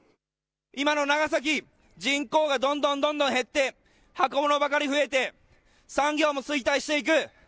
今の長崎、人口がどんどんどんどん減って箱ものばかり増えて産業も衰退していく。